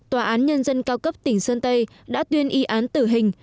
tòa án nhân dân cao cấp tỉnh sơn tây đã tuyên y án tử hình